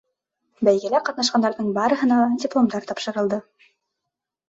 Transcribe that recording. Бәйгелә ҡатнашҡандарҙың барыһына ла дипломдар тапшырылды.